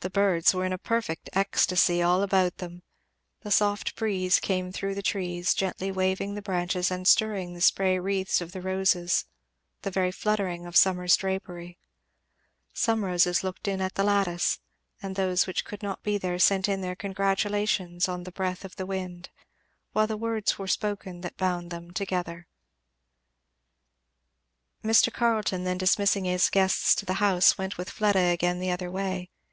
The birds were in a perfect ecstasy all about them; the soft breeze came through the trees, gently waving the branches and stirring the spray wreaths of the roses, the very fluttering of summer's drapery; some roses looked in at the lattice, and those which could not be there sent in their congratulations on the breath of the wind, while the words were spoken that bound them together. Mr. Carleton then dismissing his guests to the house, went with Fleda again the other way.